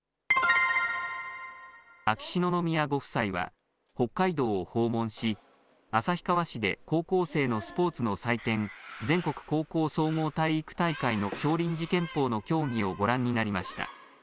秋篠宮ご夫妻は北海道を訪問し旭川市で高校生のスポーツの祭典全国高校総合体育大会の少林寺拳法の競技をご覧になりました。